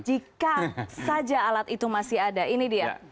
jika saja alat itu masih ada ini dia